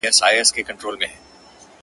ژبي سل ځايه زخمي د شهبازونو؛